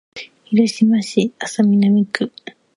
広島市安佐南区